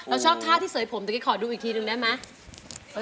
เราชอบทราบที่เสยงผมเดี๋ยวก็ขอดูอีกทีนึงอีกหนึ่งได้ไหม